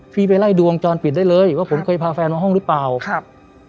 ไปไล่ดูวงจรปิดได้เลยว่าผมเคยพาแฟนมาห้องหรือเปล่าครับ